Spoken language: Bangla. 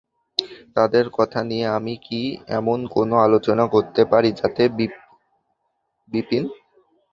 তাঁদের কথা নিয়ে আমি কি এমন কোনো আলোচনা করতে পারি যাতে– বিপিন।